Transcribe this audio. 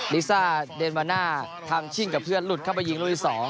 ลิซ่าเดนวาน่าทำชิ่งกับเพื่อนหลุดเข้าไปยิงลูกที่๒